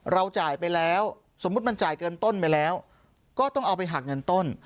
จ่ายไปแล้วสมมุติมันจ่ายเกินต้นไปแล้วก็ต้องเอาไปหักเงินต้น